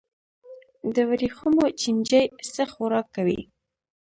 د وریښمو چینجی څه خوراک کوي؟